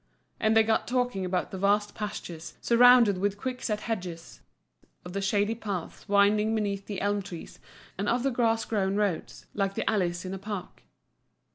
And they got talking about the vast pastures, surrounded with quick set hedges, of the shady paths winding beneath the elm trees, and of the grass grown roads, like the alleys in a park.